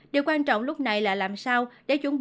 điều quan trọng lúc này là làm sao để chuẩn bị